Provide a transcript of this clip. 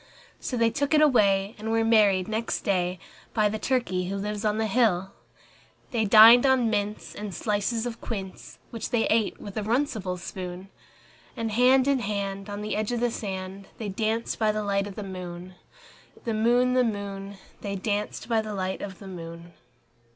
So they took it away, and were married next day By the turkey who lives on the hill. They dined on mince and slices of quince, Which they ate with a runcible spoon; And hand in hand, on the edge of the sand, They danced by the light of the moon, The moon, The moon, They danced by the light of the moon.